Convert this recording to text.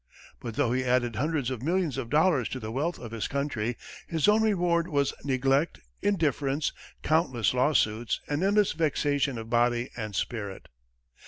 But though he added hundreds of millions of dollars to the wealth of his country, his own reward was neglect, indifference, countless lawsuits and endless vexation of body and spirit.